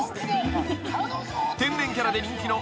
［天然キャラで人気の］